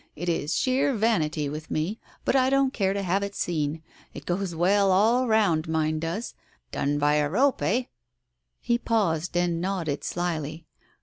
" It is sheer vanity with me, but I don't care to have it seen. It goes well all round, mine does — done by a rope, eh !" He paused and nodded slyly.